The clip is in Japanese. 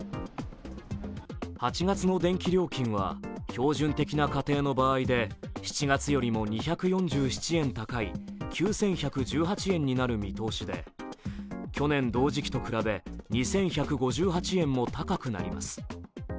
８月の電気料金は標準的な家庭の場合で７月よりも２４７円高い９１１８円になる見通しで、去年同時期と比べ、２１５８円も高くなります。